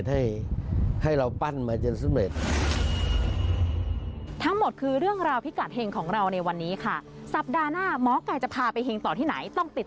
ให้เราปั้นมาจนสุดเหม็น